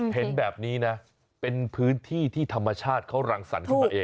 เห็นแบบนี้นะเป็นพื้นที่ที่ธรรมชาติเขารังสรรค์ขึ้นมาเอง